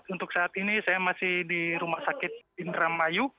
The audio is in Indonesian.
untuk saat ini saya masih di rumah sakit indramayu